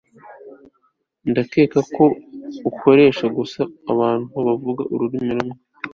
Ndakeka ko ukoresha gusa abantu bavuga ururimi rumwe